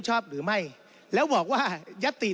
ท่านประธานก็เป็นสอสอมาหลายสมัย